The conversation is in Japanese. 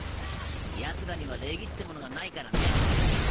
ヤツらには礼儀ってものがないからね。